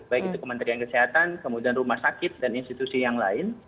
baik itu kementerian kesehatan kemudian rumah sakit dan institusi yang lain